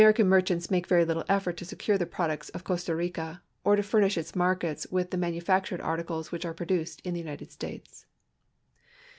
American merchants make very little effort to secure the products of Costa Rica or to furnish its markets with the manufactured articles which are produced in the "Cnited States.